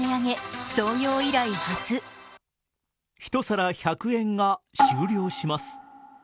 １皿１００円が終了します。